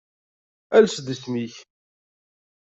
Ales-d isem-ik.